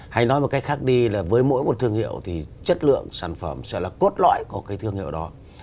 hay nói một cách khác đi là với mỗi một thương hiệu thì chất lượng sản phẩm sẽ là cốt lõi của cái thương hiệu đó